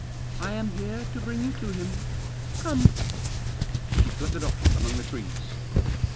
I am here to bring you to him. Come." She fluttered off among the trees.